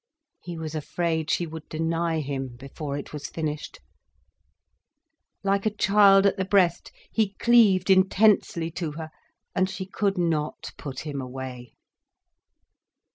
He was afraid she would deny him before it was finished. Like a child at the breast, he cleaved intensely to her, and she could not put him away.